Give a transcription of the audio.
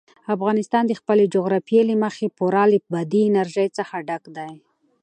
افغانستان د خپلې جغرافیې له مخې پوره له بادي انرژي څخه ډک دی.